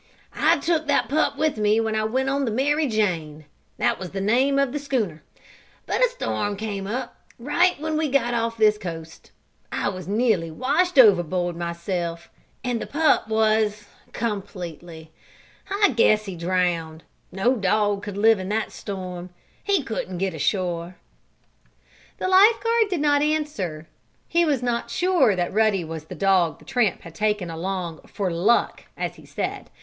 "I took that pup with me when I went on the Mary Jane that was the name of the schooner. But a storm came up right when we got off this coast. I was nearly washed overboard myself, and the pup was completely. I guess he was drowned. No dog could live in that storm. He couldn't get ashore." The life guard did not answer. He was not sure that Ruddy was the dog the tramp had taken along "for luck" as he said.